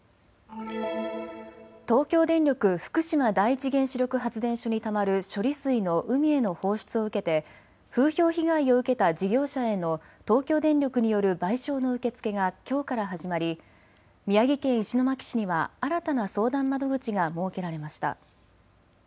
東京電力福島第一原子力発電所にたまる処理水の海への放出を受けて風評被害を受けた事業者への東京電力による賠償の受け付けがきょうから始まり宮城県石巻市には新たな相談窓口が設けられました。